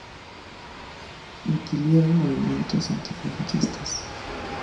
Militó en movimientos antifranquistas.